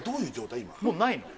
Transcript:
もうないの？